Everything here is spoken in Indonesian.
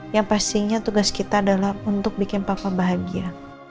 yang pastinya tugas kita adalah untuk bikin papa bahagia